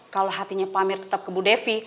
kalau hatinya pak amir tetap ke bu devi